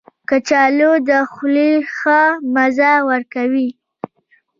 کچالو د خولې ښه مزه ورکوي